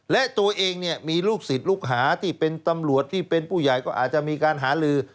และตัวเองเนี่ยมีลูกศิษย์ลูกหาที่เป็นตำรวจที่เป็นผู้ใหญ่ก็อาจจะมีการหาลือ